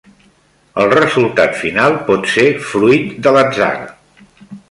El resultat final pot ser fruit de l'atzar.